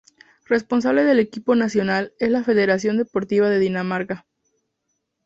Responsable del equipo nacional es la Federación Deportiva de Dinamarca.